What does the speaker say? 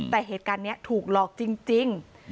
แต่เหตุการณ์นี้ถูกหลอกจริง